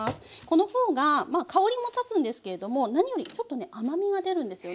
この方が香りも立つんですけれども何よりちょっとね甘みが出るんですよね。